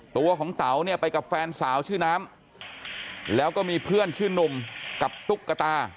ตัวของเต๋าเนี่ยไปกับแฟนสาวชื่อน้ำแล้วก็มีเพื่อนชื่อนุ่มกับตุ๊กตา